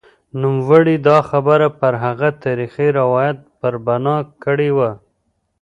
نوموړي دا خبره پر هغه تاریخي روایت پر بنا کړې وه.